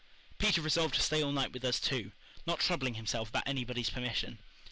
Peter resolved to stay all night with us, too, not troubling himself about anybody's permission.